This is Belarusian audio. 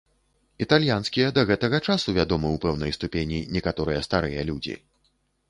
Італьянскія да гэтага часу вядомы ў пэўнай ступені некаторыя старыя людзі.